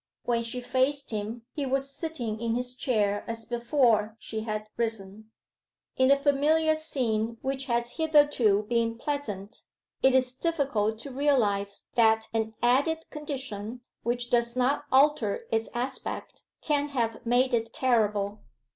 When she faced him he was sitting in his chair as before she had risen. In a familiar scene which has hitherto been pleasant it is difficult to realize that an added condition, which does not alter its aspect, can have made it terrible.